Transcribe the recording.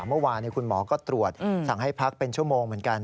เมื่อวานคุณหมอก็ตรวจสั่งให้พักเป็นชั่วโมงเหมือนกัน